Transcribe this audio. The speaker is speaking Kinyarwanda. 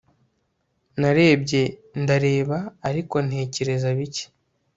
Narebye ndareba ariko ntekereza bike